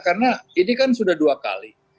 karena ini kan sudah dua kali